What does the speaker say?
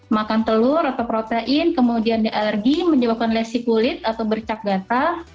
makan telur atau protein kemudian alergi menyebabkan lesi kulit atau bercak gatal